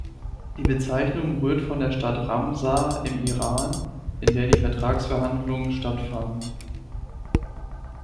Die Bezeichnung rührt von der Stadt Ramsar im Iran, in der die Vertragsverhandlungen stattfanden.